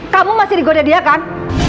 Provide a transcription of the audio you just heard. kamu masih digoda dia kan